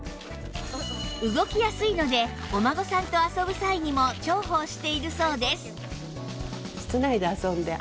動きやすいのでお孫さんと遊ぶ際にも重宝しているそうです